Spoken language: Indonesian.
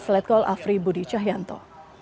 sarna seletkol afri budi cahyanto